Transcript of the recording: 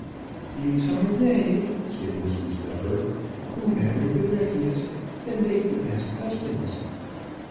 "These are they," said Mrs. Duffer, "who marry the readiest and make the best husbands."